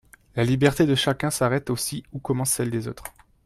La liberté de chacun s’arrête aussi où commence celle des autres.